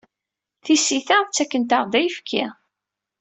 Tisita ttakent-aɣ-d ayefki.